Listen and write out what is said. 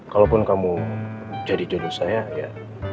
kalaupun kamu jadi jodoh saya ya